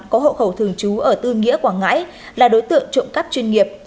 có hộ khẩu thường trú ở tư nghĩa quảng ngãi là đối tượng trộm cắp chuyên nghiệp